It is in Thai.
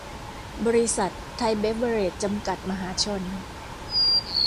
บริษัท ไทยเบฟเวอเรจ จำกัด มหาชน